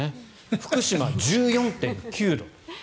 福島、１４．９度。